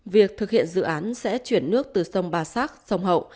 việc thực hiện dự án sẽ chuyển nước từ sông ba sát sông hậu